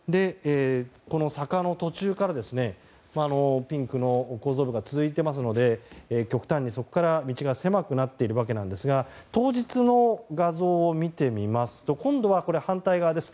この坂の途中からピンクの構造物が続いていますので極端に、そこから道が狭くなっているんですが当日の画像を見てみますと今度は反対側です。